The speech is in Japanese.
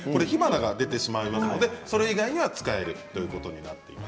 火花が出てしまいますのでそれ以外には使えるということです。